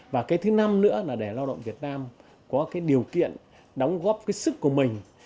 và thứ năm nữa là để lao động việt nam có điều kiện đóng góp sức của mình